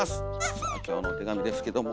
さあ今日のお手紙ですけども。